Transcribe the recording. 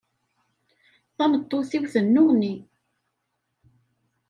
Tameṭṭut-iw tennuɣni.